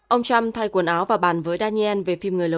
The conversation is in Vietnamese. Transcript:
ông trump thay quần áo và bàn với daniel về phim